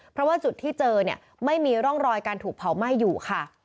เพราะว่าจุดที่เจอเนี่ยไม่มีร่องรอยการถูกเผาไหม้อยู่ค่ะ